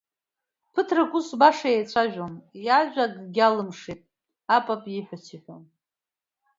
Ԥыҭрак ус баша еицәажәон, иажәа акгьы алымшеит, апап ииҳәац иҳәон.